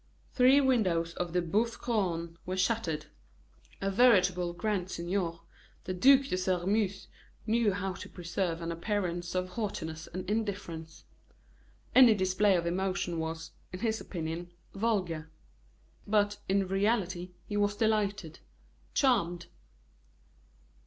Three windows in the Boeuf Couronne were shattered. A veritable grand seigneur, the Duc de Sairmeuse knew how to preserve an appearance of haughtiness and indifference. Any display of emotion was, in his opinion, vulgar; but, in reality, he was delighted, charmed.